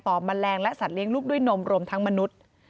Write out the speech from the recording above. แมลงและสัตเลี้ยงลูกด้วยนมรวมทั้งมนุษย์